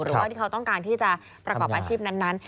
หรือว่าที่เขาต้องการที่จะประกอบอาชีพนั้น